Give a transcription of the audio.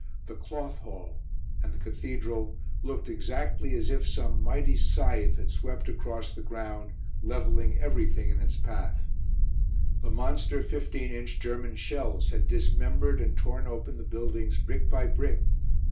The Cloth Hall, and the Cathedral, looked exactly as if some mighty scythe had swept across the ground, levelling everything in its path. The monster 15 inch German shells had dismembered and torn open the buildings brick by brick.